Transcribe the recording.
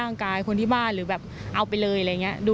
ร่างกายคนที่บ้านหรือแบบเอาไปเลยอะไรอย่างนี้